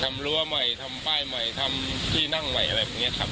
รั้วใหม่ทำป้ายใหม่ทำที่นั่งใหม่อะไรแบบนี้ครับ